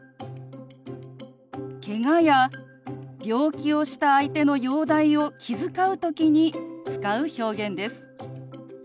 けがや病気をした相手の容体を気遣う時に使う表現です。